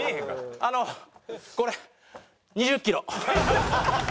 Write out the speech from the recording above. あのこれ２０キロ。